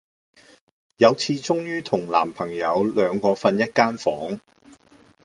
有次終於同男朋友兩個訓一間房